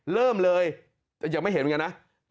เริ่มเลยแต่ยังไม่เห็นเหมือนกันนะ